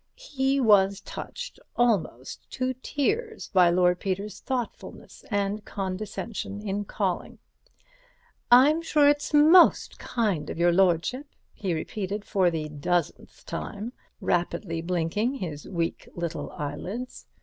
He was touched almost to tears by Lord Peter's thoughtfulness and condescension in calling. "I'm sure it's most kind of your lordship," he repeated for the dozenth time, rapidly blinking his weak little eyelids.